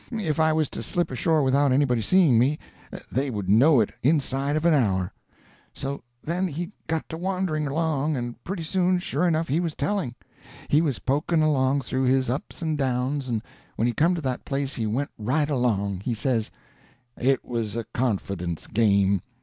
If I was to slip ashore without anybody seeing me, they would know it inside of an hour." So then he got to wandering along, and pretty soon, sure enough, he was telling! He was poking along through his ups and downs, and when he come to that place he went right along. He says: "It was a confidence game.